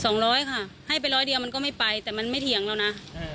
สองร้อยค่ะให้ไปร้อยเดียวมันก็ไม่ไปแต่มันไม่เถียงแล้วนะเออ